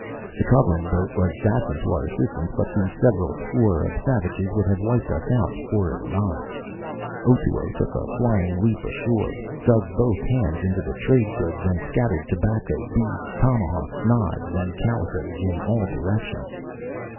The covering boat was dashing to our assistance, but the several score of savages would have wiped us out before it arrived. Otoo took a flying leap ashore, dug both hands into the trade goods, and scattered tobacco, beads, tomahawks, knives, and calicoes in all directions.